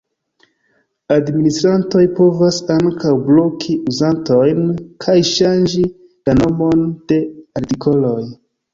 Administrantoj povas ankaŭ bloki uzantojn kaj ŝanĝi la nomon de artikoloj.